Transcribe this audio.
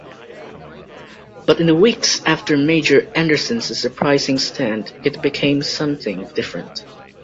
But in the weeks after Major Anderson's surprising stand, it became something different.